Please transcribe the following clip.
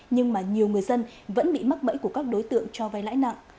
nhưng mà nhiều người dân vẫn bị mắc bẫy của các đối tượng cho vay lãi nặng